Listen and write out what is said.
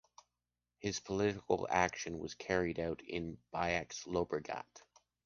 His political action was carried out in Baix Llobregat.